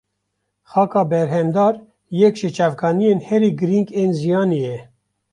Xaka berhemdar yek ji çavkaniyên herî girîng ên jiyanê ye.